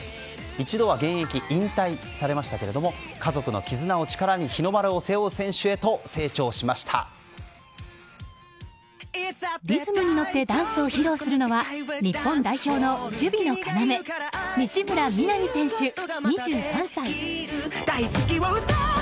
一度は現役引退されましたが家族の絆を力に日の丸を背負う選手にリズムに乗ってダンスをするのは日本代表の守備の要西村弥菜美選手、２３歳。